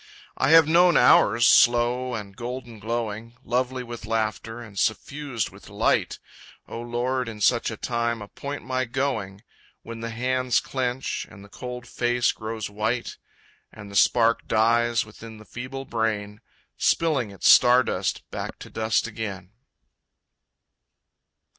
I have known hours, slow and golden glowing, Lovely with laughter and suffused with light, O Lord, in such a time appoint my going, When the hands clench, and the cold face grows white, And the spark dies within the feeble brain, Spilling its star dust back to dust again.